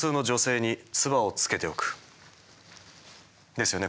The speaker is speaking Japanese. ですよね？